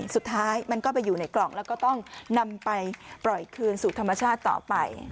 สุดท้ายมันก็ไปอยู่ในกล่องแล้วก็ต้องนำไปปล่อยคืนสู่ธรรมชาติต่อไป